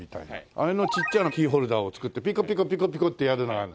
あれのちっちゃなキーホルダーを作ってピコピコってやるのがある。